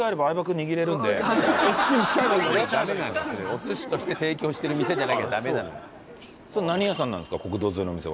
お寿司として提供してる店じゃなきゃダメなのよ。